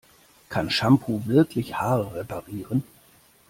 Kann Shampoo wirklich Haare reparieren?